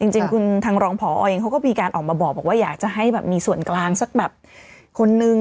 จริงคุณทางรองผอเองเขาก็มีการออกมาบอกว่าอยากจะให้แบบมีส่วนกลางสักแบบคนนึง